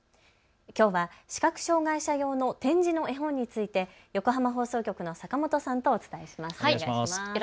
きょうは視覚障害者用の点字の絵本について横浜放送局の坂本さんとお伝えします。